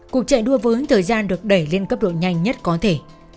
cuộc chạy đua với thời gian được đẩy lên cấp độ nhanh nhất có thể